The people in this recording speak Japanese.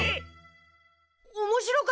おもしろかったです。